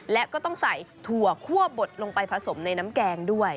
และก็ต้องใส่ถั่วคั่วบดลงไปผสมในน้ำแกงด้วย